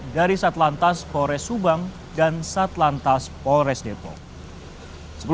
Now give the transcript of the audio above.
dari satlantas polres subang dan satlantas polres depok